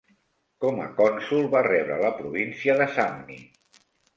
Com a cònsol va rebre la província de Samni.